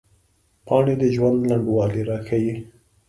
پاڼې د ژوند لنډوالي راښيي